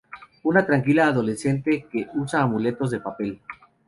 Una tranquila adolescente que usa amuletos de papel.